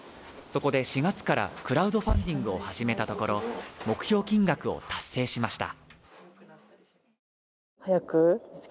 そこで４月からクラウドファンディングを始めたところ、目標金額を達成しました。